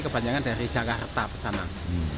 kebanyakan dari jakarta pesanan